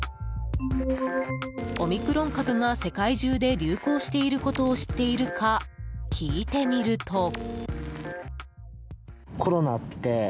オミクロン株が世界中で流行していることを知っているか聞いてみると。